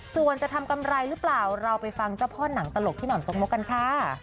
ส่วนจะทำกำไรหรือเปล่าเราไปฟังเจ้าพ่อหนังตลกพี่ห่อมทรงมกกันค่ะ